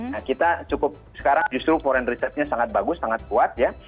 nah kita cukup sekarang justru foreign risetnya sangat bagus sangat kuat ya